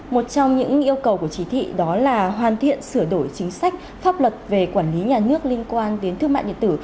một trong những yêu cầu của chỉ thị đó là hoàn thiện sửa đổi chính sách pháp luật về quản lý nhà nước liên quan đến thương mại điện tử